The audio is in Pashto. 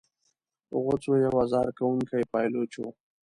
غوثو یو آزار کوونکی پایلوچ وو.